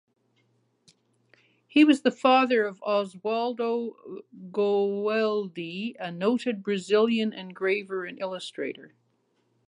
He was the father of Oswaldo Goeldi, a noted Brazilian engraver and illustrator.